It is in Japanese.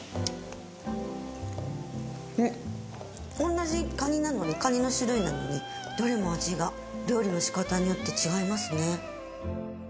同じカニなのにカニの種類なのにどれも味が料理の仕方によって違いますね。